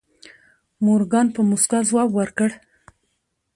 مورګان په موسکا ځواب ورکړ.